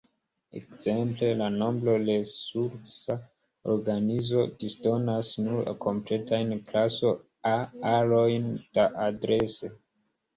Ekzemple, la Nombro-Resursa Organizo disdonas nur kompletajn klaso-A-arojn da adresoj.